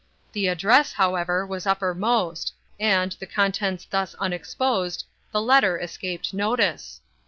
The address, however, was uppermost, and, the contents thus unexposed, the letter escaped notice.